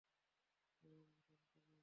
এভাবেই আমি টাকা কামিয়েছি।